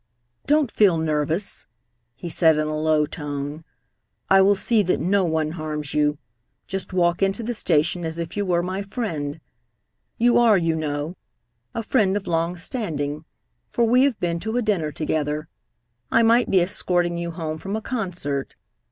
"Don't feel nervous," he said in a low tone. "I will see that no one harms you. Just walk into the station as if you were my friend. You are, you know, a friend of long standing, for we have been to a dinner together. I might be escorting you home from a concert.